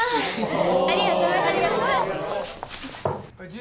ありがとうございます。